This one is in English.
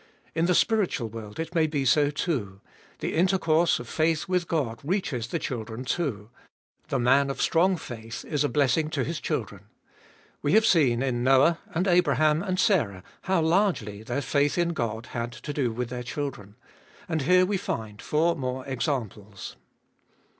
In the spiritual world it may be so too ; the inter course of faith with God reaches the children too ; the man of strong faith is a blessing to his children. We have seen in Noah and Abraham and Sarah how largely their faith in God had to do with their children. And here we find four more examples.